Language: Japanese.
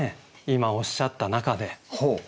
今おっしゃった中で。